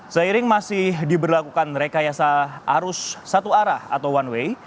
seiring masih diberlakukan rekayasa arus satu arah atau one way